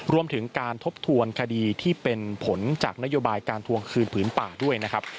รวมถึงการทบทวนคดีที่เป็นผลจากนโยบายการทวงคืนผืนป่าด้วยนะครับ